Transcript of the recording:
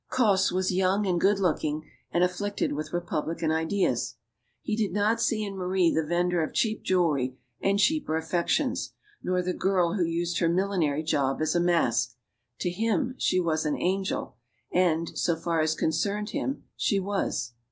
Cosse was young and good looking and afflicted with republican ideas. He did not see in Marie the vender of cheap jewelry and cheaper affections, nor the girl who used her millinery job as a mask. To him, she was an angel. And so far as concerned him she was.